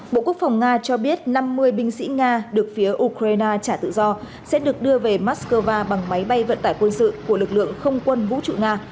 bộ quốc phòng nga cho biết năm mươi binh sĩ nga được phía ukraine trả tự do sẽ được đưa về moscow bằng máy bay vận tải quân sự của lực lượng không quân vũ trụ nga